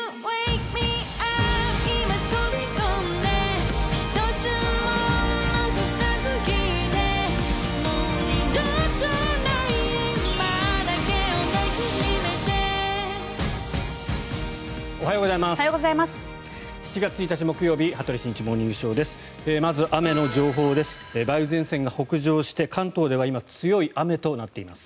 おはようございます。